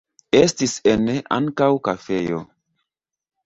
Estis ene ankaŭ kafejo.